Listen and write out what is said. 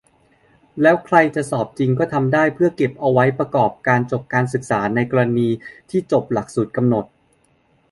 แล้วใครจะสอบจริง ก็ทำได้ เพื่อเก็บเอาไว้ประกอบการจบการศึกษา ในกรณีที่หลักสูตรกำหนด